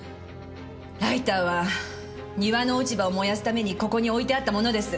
ライターは庭の落ち葉を燃やすためにここに置いてあったものです！